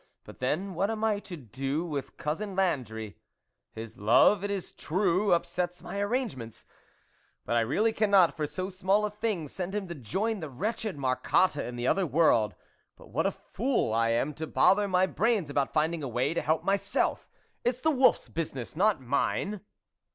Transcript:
But then, what am I to do with Cousin Landry ? his love, it is true, up sets my arrangements ; but I really cannot for so small a thing send him to join the wretched Marcotte in the other world. But what a fool I am to bother my brains about finding a way to help my self ! It's the wolfs business, not mine